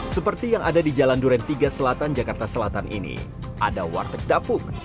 seperti yang ada di jalan duren tiga selatan jakarta selatan ini ada warteg dapuk